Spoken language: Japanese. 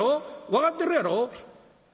分かってるやろ」。